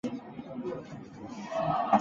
华西忍冬是忍冬科忍冬属的植物。